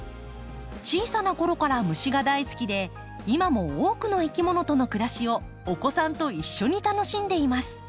小さなころから虫が大好きで今も多くのいきものとの暮らしをお子さんと一緒に楽しんでいます。